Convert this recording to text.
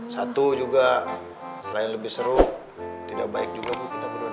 satu juga selain lebih seru tidak baik juga bu kita berdoa